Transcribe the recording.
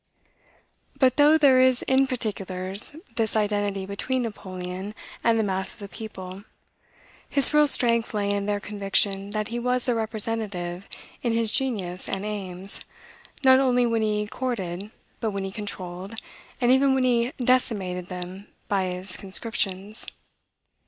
But though there is in particulars this identity between Napoleon and the mass of the people, his real strength lay in their conviction that he was their representative in his genius and aims, not only when he courted, but when he controlled, and even when he decimated them by his conscriptions.